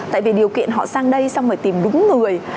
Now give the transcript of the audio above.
tại vì điều kiện họ sang đây xong phải tìm đúng người